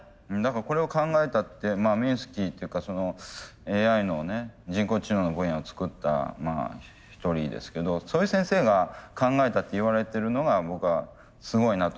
これを考えたミンスキーっていうかＡＩの人工知能の分野を作った一人ですけどそういう先生が考えたっていわれてるのが僕はすごいなと思うんですよ。